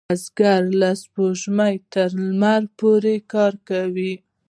بزګر له سپوږمۍ تر لمر پورې کار کوي